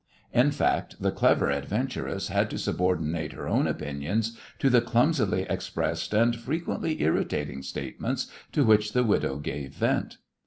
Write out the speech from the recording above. In fact, the clever adventuress had to subordinate her own opinions to the clumsily expressed and frequently irritating statements to which the widow gave vent.